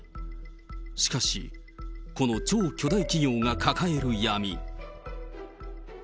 しかし、この超巨大企業が抱える闇。